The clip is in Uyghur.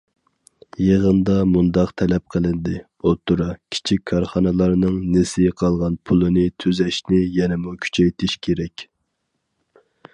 يىغىندا مۇنداق تەلەپ قىلىندى: ئوتتۇرا، كىچىك كارخانىلارنىڭ نېسى قالغان پۇلىنى تۈزەشنى يەنىمۇ كۈچەيتىش كېرەك.